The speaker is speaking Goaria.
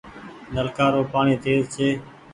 نلڪآ رو پآڻيٚ تيز ڇي ۔